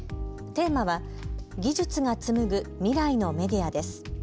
テーマは技術が紡ぐ未来のメディアです。